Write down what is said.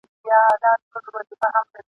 له نسیم سره له څانګو تویېدلای ..